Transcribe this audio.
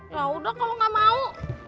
yaudah kalau gak mau